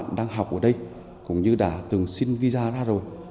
các bạn đang học ở đây cũng như đã từng xin visa ra rồi